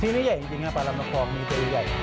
ทีนี้ใหญ่จริงปลาลำตะคองมีตัวอีกใหญ่